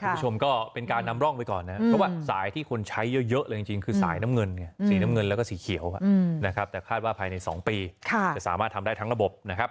คุณผู้ชมก็เป็นการนำร่องไปก่อนนะครับเพราะว่าสายที่คนใช้เยอะเลยจริงคือสายน้ำเงินไงสีน้ำเงินแล้วก็สีเขียวนะครับแต่คาดว่าภายใน๒ปีจะสามารถทำได้ทั้งระบบนะครับ